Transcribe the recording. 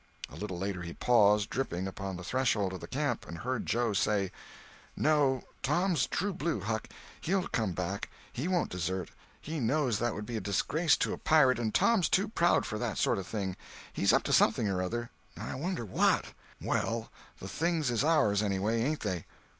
A little later he paused, dripping, upon the threshold of the camp, and heard Joe say: "No, Tom's true blue, Huck, and he'll come back. He won't desert. He knows that would be a disgrace to a pirate, and Tom's too proud for that sort of thing. He's up to something or other. Now I wonder what?" "Well, the things is ours, anyway, ain't they?"